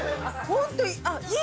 ホントいいね！